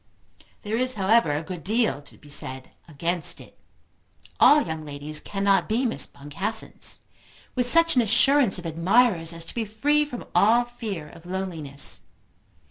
There is however a good deal to be said against it. All young ladies cannot be Miss Boncassens, with such an assurance of admirers as to be free from all fear of loneliness.